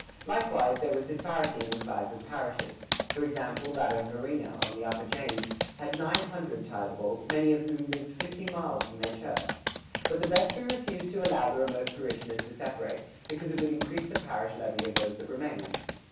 Likewise there was disparity in the size of parishes for example, that of Varina, on the upper James, had nine hundred tithables, many of whom lived fifty miles from their church. But the vestry refused to allow the remote parishioners to separate, because it would increase the parish levy of those that remained.